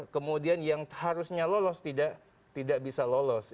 kemudian yang harusnya lolos tidak bisa lolos